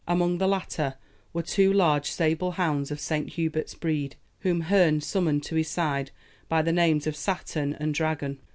Among the latter were two large sable hounds of Saint Hubert's breed, whom Herne summoned to his side by the names of Saturn and Dragon.